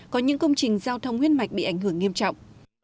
có những công trình giao thông huyết mạch bị ảnh hưởng nghiêm trọng